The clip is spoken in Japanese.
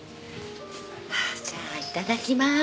あーじゃあいただきまーす。